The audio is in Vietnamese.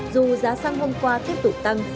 dù giá xăng hôm qua tiếp tục tăng